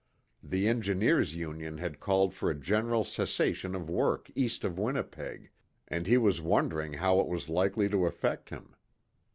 The Engineers' Union had called for a general cessation of work east of Winnipeg, and he was wondering how it was likely to affect him.